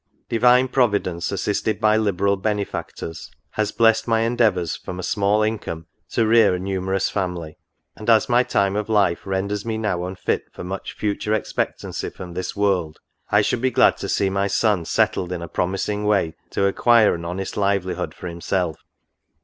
Divine Providence, assisted by liberal benefactors, has blest my endeavours, from a small income, to rear a numerous family ; and as my time of life renders me now unfit for much future expectancy from this world, I should be glad to see my son settled in a promising way to acquire an honest livelihood for himself.